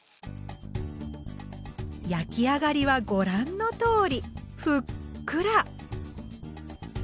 焼き上がりはご覧のとおりふっくら！